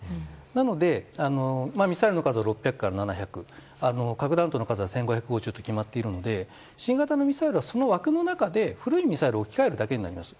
なのでミサイルの数を６００から７００核弾頭の数は１５５０と決まっているので新型のミサイルはその枠の中で古いミサイルと置き換えるだけになります。